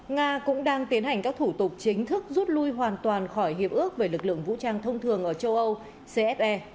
nga cũng đang tiến hành các thủ tục chính thức rút lui hoàn toàn khỏi hiệp ước về lực lượng vũ trang thông thường ở châu âu cfe